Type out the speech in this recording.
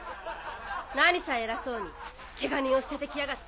何さ偉そうにケガ人を捨ててきやがって。